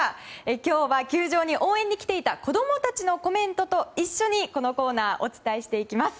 今日は球場に応援に来ていた子供たちのコメントと一緒にこのコーナーお伝えしていきます。